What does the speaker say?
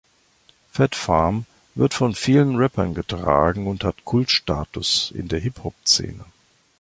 Phat Farm wird von vielen Rappern getragen und hat Kultstatus in der Hip-Hop-Szene.